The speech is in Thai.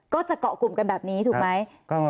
ก็จะเกาะกลุ่มกันแบบนี้ถูกไหม